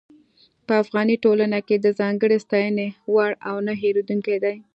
په افغاني ټولنه کې د ځانګړې ستاينې وړ او نۀ هېرېدونکي دي.